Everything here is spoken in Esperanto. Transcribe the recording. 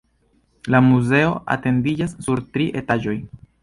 La muzeo etendiĝas sur tri etaĝoj.